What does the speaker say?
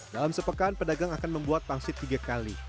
dalam sepekan pedagang akan membuat pangsit tiga kali